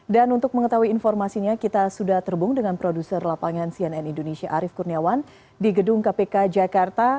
dan untuk mengetahui informasinya kita sudah terbung dengan produser lapangan cnn indonesia arief kurniawan di gedung kpk jakarta